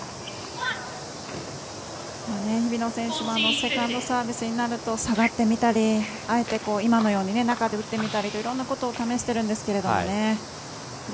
セカンドサーブになると下がってみたりあえて今のように中で打ってみたりといろんなことを試してるんですけどね。